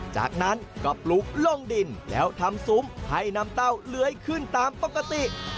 จากนั้นก็ปลูกลงดินแล้วทำซุ้มให้นำเต้าเลื้อยขึ้นตามปกติ